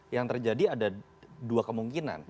yang terjadi ada dua kemungkinan